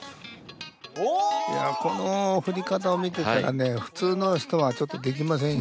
いやこの振り方を見てたらね普通の人はちょっとできませんよ。